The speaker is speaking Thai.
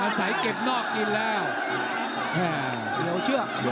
อาศัยเก็บนอกกินแล้ว